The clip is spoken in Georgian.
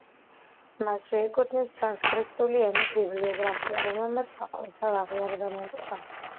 მასვე ეკუთვნის სანსკრიტული ენის ბიბლიოგრაფია, რომელმაც საყოველთაო აღიარება მოიპოვა.